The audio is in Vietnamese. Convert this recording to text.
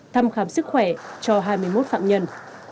thăm khám sức khỏe cho hai mươi một phạm nhân